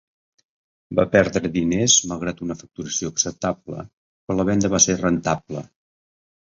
Va perdre diners malgrat una facturació acceptable, però la venda va ser rentable.